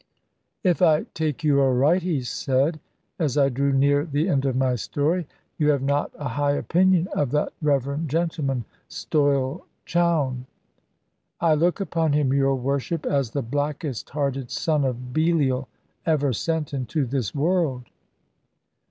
"If I take you aright," he said, as I drew near the end of my story, "you have not a high opinion of that reverend gentleman, Stoyle Chowne." "I look upon him, your Worship, as the blackest hearted son of Belial ever sent into this world."